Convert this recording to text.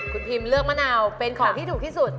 คุณพิมเลือกมะนาวเป็นของที่ถูกที่สุด